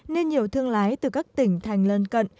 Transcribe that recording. nên nhiều thương lái từ các tỉnh thành lân cận